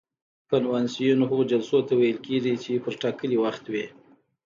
کنوانسیون هغو جلسو ته ویل کیږي چې په ټاکلي وخت وي.